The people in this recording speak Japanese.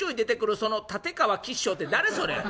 その立川吉祥って誰？それ」。